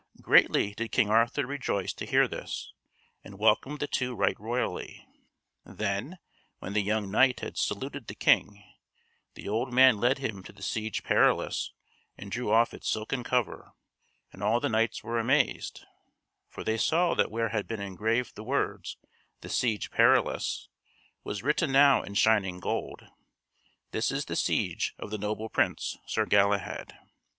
Greatly did King Arthur rejoice to hear this, and welcomed the two right royally. Then when the young knight had saluted the King, the old man led him to the Siege Perilous and drew off its silken cover; and all the knights were amazed, for they saw that where had been engraved the words, "The Siege Perilous," was written now in shining gold: "This is the Siege of the noble prince, Sir Galahad."